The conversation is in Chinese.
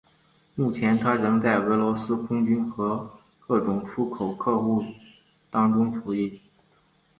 目前它仍在俄罗斯空军和各种出口客户当中服役。